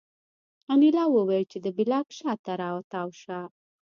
انیلا وویل چې د بلاک شا ته را تاو شه